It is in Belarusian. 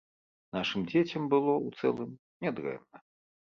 Нашым дзецям было, у цэлым, не дрэнна.